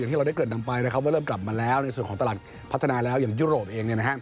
ที่เราได้เกิดนำไปนะครับว่าเริ่มกลับมาแล้วในส่วนของตลาดพัฒนาแล้วอย่างยุโรปเอง